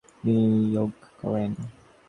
তিনি তার জমিতে লোহা উৎপাদনে বিনিয়োগ করেন।